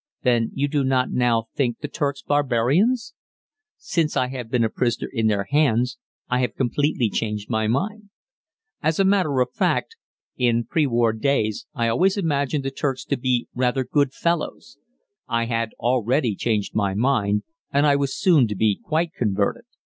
"Then you do not now think the Turks barbarians?" "Since I have been a prisoner in their hands I have completely changed my mind." As a matter of fact, in pre war days I always imagined the Turks to be rather good fellows. I had already changed my mind, and I was soon to be quite converted.